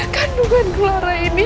kandungan clara ini